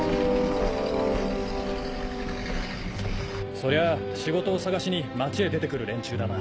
そりゃあ仕事を探しに町へ出て来る連中だな。